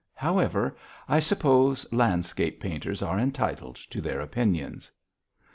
However, I suppose landscape painters are entitled to their opinions."